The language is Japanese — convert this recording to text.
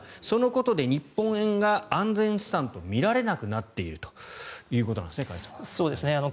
そのことで日本円が安全資産と見られなくなっているということなんですね。